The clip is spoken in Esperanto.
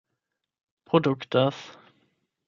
produktas